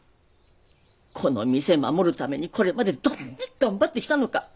この店守るためにこれまでどんね頑張ってきたのか。